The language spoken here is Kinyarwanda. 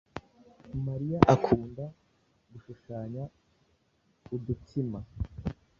Mariya akunda gushushanya udutsima.